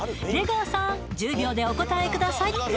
出川さーん１０秒でお答えください